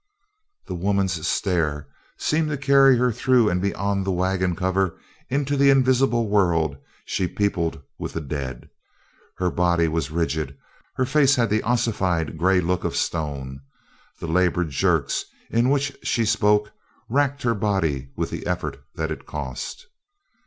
The woman's stare seemed to carry her through and beyond the wagon cover into the invisible world she peopled with the dead. Her body was rigid; her face had the ossified gray look of stone; the labored jerks in which she spoke racked her body with the effort that it cost.